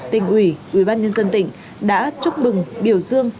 tỉnh ủy ubnd tỉnh đã chúc mừng biểu dương